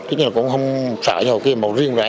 thế nhưng không sợ hồi kia màu riêng rẽ